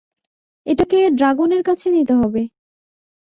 এটাকে ড্রাগনের কাছে নিতে হবে।